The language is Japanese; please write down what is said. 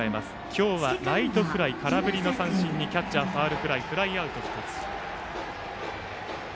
今日はライトフライ空振りの三振にキャッチャーファウルフライとフライアウトが２つ。